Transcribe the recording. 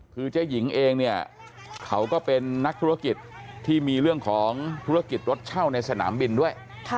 คือเจ๊หญิงเองเนี่ยเขาก็เป็นนักธุรกิจที่มีเรื่องของธุรกิจรถเช่าในสนามบินด้วย